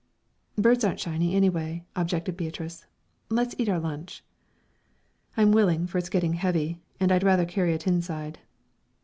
"Birds aren't shiny, anyway," objected Beatrice. "Let's eat our lunch." "I'm willing, for it's getting heavy, and I'd rather carry it inside."